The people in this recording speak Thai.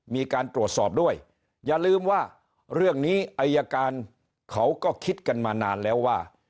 มีการตรวจสอบด้วยอย่าลืมว่าเรื่องนี้อายการเขาก็คิดกันมานานแล้วว่า